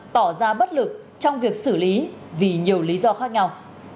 tỏ ra bất lực trong việc xử lý vì nhiều lý do khác nhau